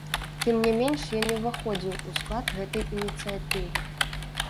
Тым не менш, я не ўваходзіў у склад гэтай ініцыятывы.